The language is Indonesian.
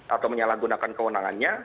atau menyalahgunakan kewenangannya